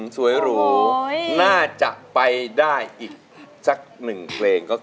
สวยหรูน่าจะไปได้อีกสักหนึ่งเพลง